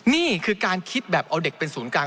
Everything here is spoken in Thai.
นี่คือการคิดแบบเอาเด็กเป็นศูนย์กลาง